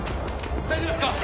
大丈夫ですか？